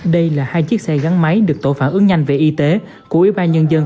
đây là hai chiếc xe gắn máy được tổ phản ứng nhanh về y tế của ubnd tp hcm